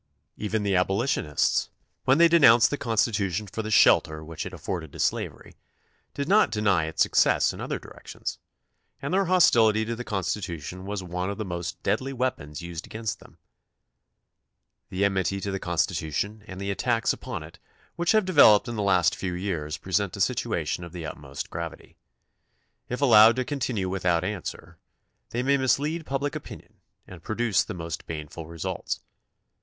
Even the Abolitionists, when they denounced the Constitution for the shelter which it afforded to slavery, did not deny its success in other directions, and their hostiUty to the Constitution was one of the most deadly weapons used against them. THE CONSTITUTION AND ITS MAKERS 37 The enmity to the Constitution and the attacks upon it which have developed in the last few years present a situation of the utmost gravity. If allowed to continue without answer, they may mislead public opinion and produce the most baneful results.